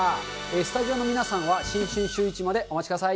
スタジオの皆さんは新春シューイチまでお待ちください。